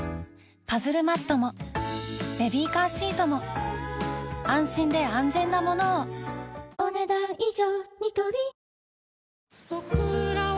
パズルマットもベビーカーシートも安心で安全なものをお、ねだん以上。